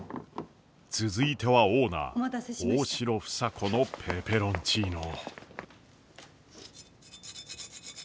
続いてはオーナー大城房子のペペロンチーノ。